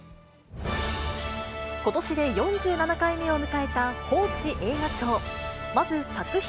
ことしで４７回目を迎えた報知映画賞。